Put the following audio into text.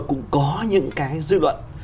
cũng có những cái dư luận